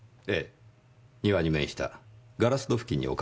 庭に面したガラス戸付近に置かれている。